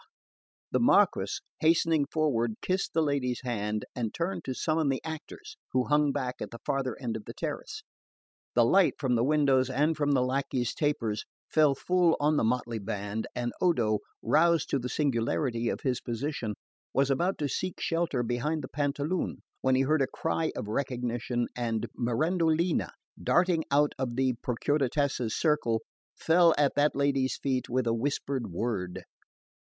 The Marquess, hastening forward, kissed the lady's hand, and turned to summon the actors, who hung back at the farther end of the terrace. The light from the windows and from the lacquey's tapers fell full on the motley band, and Odo, roused to the singularity of his position, was about to seek shelter behind the Pantaloon when he heard a cry of recognition, and Mirandolina, darting out of the Procuratessa's circle, fell at that lady's feet with a whispered word.